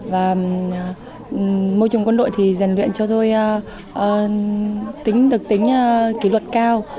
và môi trường quân đội thì dành luyện cho tôi được tính kỳ luật cao